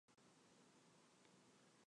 进气道可分为亚音速和超音速进气道。